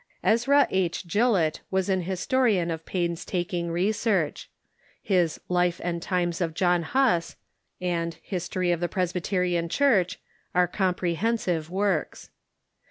Ezra H. Gillett was an historian of pains taking research. His " Life and Times of John Huss" and " His tory of the Presbyterian Church" are comprehensive works.